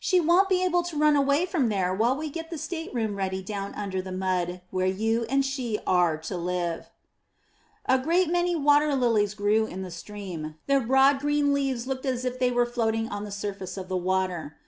415 MY BOOK HOUSE She won't be able to run away from there while we get the state room ready down under the mud, where you and she are to live/* A great many water lilies grew in the stream; their broad green leaves looked as if they were floating on the surface of the water.